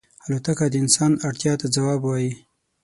الوتکه د انسان اړتیا ته ځواب وايي.